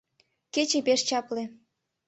Кече пеш чапле.